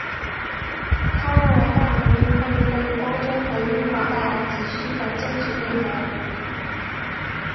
他认为大革命会为欧洲和英国带来急需的政治变革。